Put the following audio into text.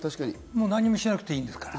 何もしなくていいから。